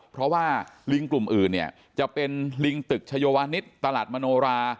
เพราะว่าลิงกลุ่มอื่นเนี่ยจะเป็นลิงตึกชโยวานิตตลาดมโนรา